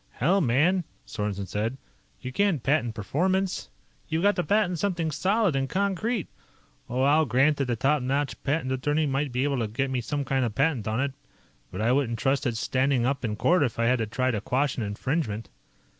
"Hell, man," Sorensen said, "you can't patent performance! You've got to patent something solid and concrete! Oh, I'll grant that a top notch patent attorney might be able to get me some kind of patent on it, but I wouldn't trust its standing up in court if I had to try to quash an infringement.